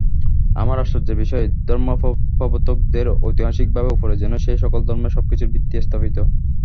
আর আশ্চর্যের বিষয়, ধর্মপ্রবর্তকদের ঐতিহাসিকতার উপরই যেন সেই-সকল ধর্মের সব-কিছুর ভিত্তি স্থাপিত।